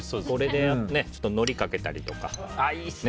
これで、のりかけたりとか。